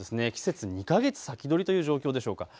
季節、２か月先取りという状況でしょうか。